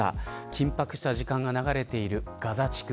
緊迫した時間が流れているガザ地区。